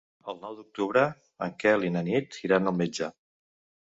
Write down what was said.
El nou d'octubre en Quel i na Nit iran al metge.